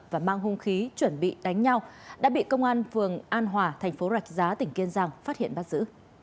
và mang hung khí chuẩn bị đánh nhau đã bị công an phường an hòa thành phố rạch giá tỉnh kiên giang phát hiện bắt giữ